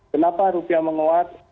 kenapa rupiah menguat